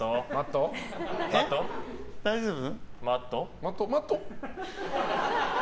大丈夫？